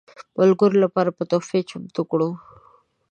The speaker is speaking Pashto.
ملګرو لپاره به تحفې چمتو کړم.